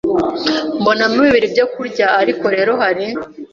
mbonamo bibiri byo kurya ariko rero hari